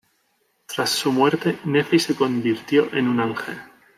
Tras su muerte Nefi se convirtió en un ángel.